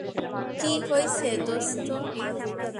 কি হইছে দোস্ত?